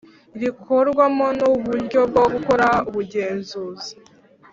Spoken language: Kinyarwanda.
Rikorwamo n uburyo bwo gukora ubugenzuzi